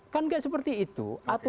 kan seperti itu